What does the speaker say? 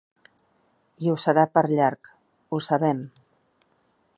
I ho serà per llarg, ho sabem.